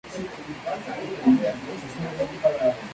Está contraindicada en caso de glaucoma, embarazo o lactancia.